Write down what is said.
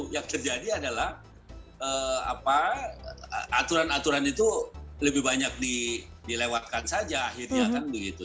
yang terjadi adalah aturan aturan itu lebih banyak dilewatkan saja akhirnya kan begitu